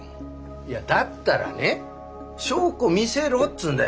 いやだったらね証拠見せろっつうんだよ。